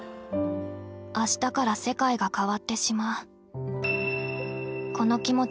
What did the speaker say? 明日から世界が変わってしまう。